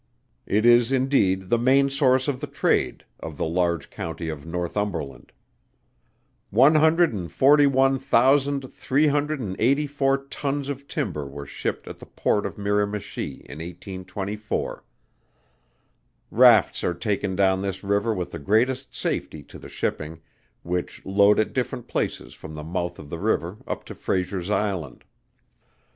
It is indeed the main source of the trade of the large County of Northumberland. One hundred and forty one thousand three hundred and eighty four tons of timber were shipped at the port of Miramichi in 1824. Rafts are taken down this river with the greatest safety to the shipping, which load at different places from the mouth of the river up to Fraser's Island.